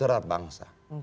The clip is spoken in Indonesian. tidak buruk terhadap bangsa